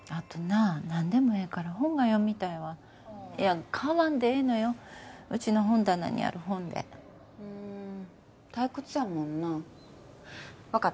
何でもええから本が読みたいわいや買わんでええのようちの本棚にある本でふん退屈やもんな分かった